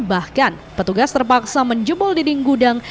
bahkan petugas terpaksa menjebol dinding gudang